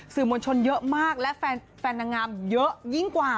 มวลชนเยอะมากและแฟนนางงามเยอะยิ่งกว่า